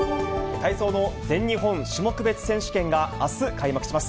体操の全日本種目別選手権があす開幕します。